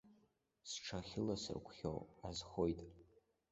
Сҽахьыласырҟәхьоу азхоит.